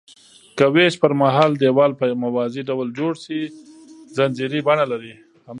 که ویش پرمهال دیوال په موازي ډول جوړ شي ځنځیري بڼه لري.